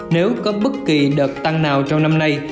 nếu có bất kỳ đợt tăng nào trong năm nay